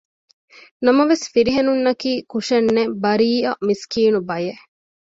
ނަމަވެސް ފިރިހެނުންނަކީ ކުށެއްނެތް ބަރީއަ މިސްކީނު ބަޔެއް